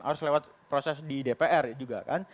harus lewat proses di dpr juga kan